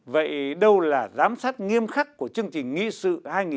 vậy đâu là giám sát nghiêm khắc của chương trình nghị sự hai nghìn ba mươi